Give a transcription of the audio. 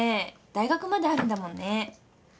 大学まであるんだもんね。